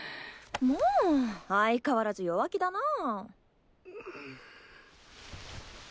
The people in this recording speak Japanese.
もう相変わらず弱気だなぁ。